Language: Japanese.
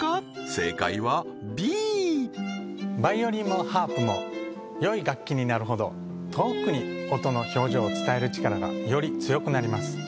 正解はＢバイオリンもハープもよい楽器になるほど遠くに音の表情を伝える力がより強くなります